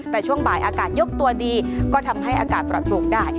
แต่ช่วงบ่ายอากาศยกตัวดีก็ทำให้อากาศปลอดปลูกได้